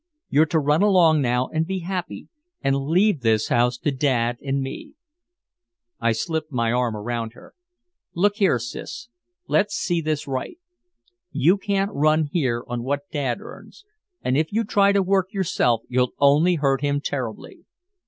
You're to run along now and be happy and leave this house to Dad and me." I slipped my arm around her: "Look here, Sis, let's see this right. You can't run here on what Dad earns, and if you try to work yourself you'll only hurt him terribly.